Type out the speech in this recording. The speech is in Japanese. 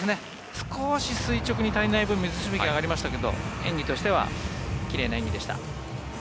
少し垂直に足りない分水しぶきが上がりましたけど演技としては奇麗な演技でした。